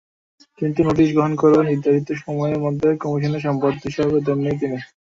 কিন্তু নোটিশ গ্রহণ করেও নির্ধারিত সময়ের মধ্যে কমিশনে সম্পদের হিসাব দেননি তিনি।